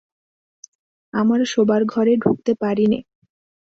আমার শোবার ঘরে ঢুকতে পারি নে।